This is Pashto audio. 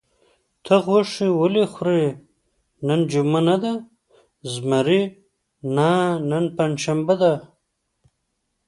ته غوښې ولې خورې؟ نن جمعه نه ده؟ زمري: نه، نن پنجشنبه ده.